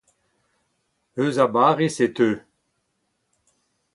Eus a Bariz e teu.